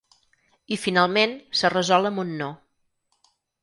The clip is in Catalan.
I finalment s’ha resolt amb un no.